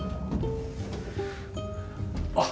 あっ！